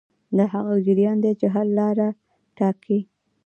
دا هغه جریان دی چې حل لاره ټاکي.